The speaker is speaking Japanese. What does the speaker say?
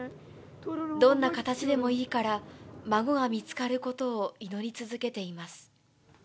どんな形でもいいから、孫が見つかることを祈り続けています。